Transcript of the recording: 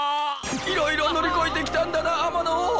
いろいろ乗り越えてきたんだな天野！